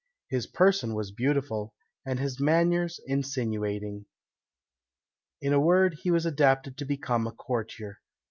His person was beautiful, and his manners insinuating. In a word, he was adapted to become a courtier.